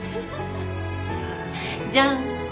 じゃん！